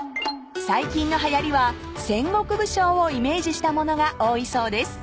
［最近のはやりは戦国武将をイメージした物が多いそうです］